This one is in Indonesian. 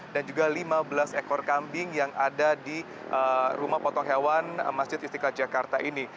dan juga lima belas ekor kambing yang ada di rumah potong hewan masjid istiqlal jakarta ini